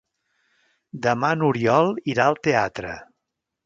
Demà n'Oriol irà al teatre.